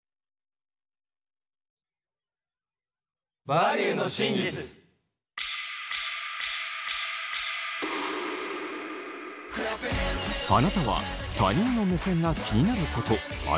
あなたは他人の目線が気になることありませんか？